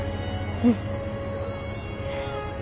うん。